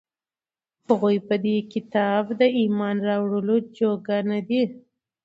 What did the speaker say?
هغوى په دې كتاب د ايمان راوړلو جوگه نه دي،